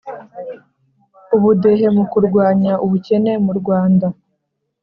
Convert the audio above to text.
ubudehe mu kurwanya ubukene mu rwanda